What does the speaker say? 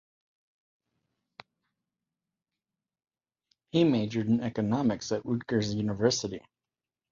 He majored in economics at Rutgers University.